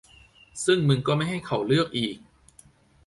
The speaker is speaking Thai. ซึ่งมึงก็ไม่ให้เขาเลือกอีก